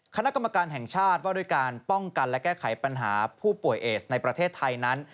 คณะกรรมการแห่งชาติว่าด้วยการป้องกันและแก้ไขปัญหาผู้ป่วยเอสในประเทศไทยนั้น